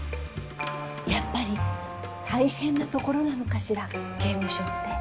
やっぱり大変な所なのかしら刑務所って。